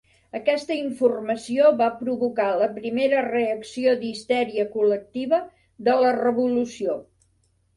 Aquesta informació va provocar la primera reacció d'histèria col·lectiva de la Revolució.